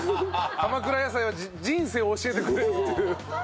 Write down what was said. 鎌倉野菜は人生を教えてくれるっていう。